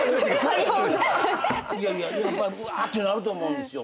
やっぱうわってなると思うんですよ。